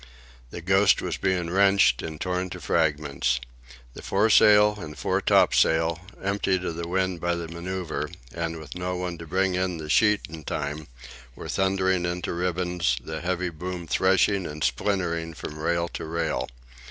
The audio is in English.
The Ghost was being wrenched and torn to fragments. The foresail and fore topsail, emptied of the wind by the manœuvre, and with no one to bring in the sheet in time, were thundering into ribbons, the heavy boom threshing and splintering from rail to rail.